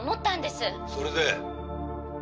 「それで？」